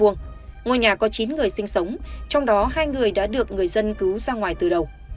ngôi nhà có chín người sinh sống trong đó hai người đã được người dân cứu ra ngoài từ đầu